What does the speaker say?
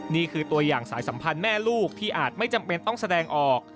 นี่คือตัวอย่างสายสัมพันธ์แม่ลูกที่อาจไม่จำเป็นต้องแสดงออก